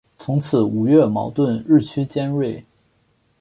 从此吴越矛盾日趋尖锐。